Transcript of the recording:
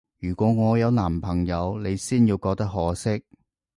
如果我有男朋友，你先要覺得可惜